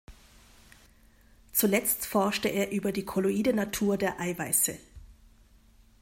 Zuletzt forschte er über die kolloide Natur der Eiweiße.